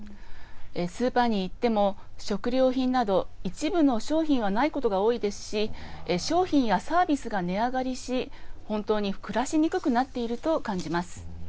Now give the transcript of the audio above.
スーパーに行っても食料品など一部の商品はないことが多いですし商品やサービスが値上がりし本当に暮らしにくくなっていると感じます。